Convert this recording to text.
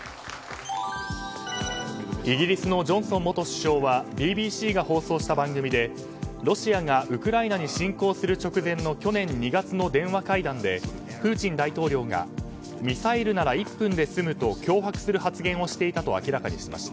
イギリスのジョンソン元首相はＢＢＣが放送した番組でロシアがウクライナに侵攻する直前の去年２月の電話会談でプーチン大統領がミサイルなら１分で済むと脅迫する発言をしていたと明らかにしました。